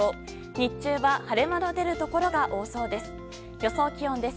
日中は晴れ間の出るところが多そうです。